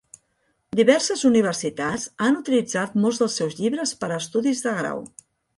Diverses universitats han utilitzat molts dels seus llibres per a estudis de grau.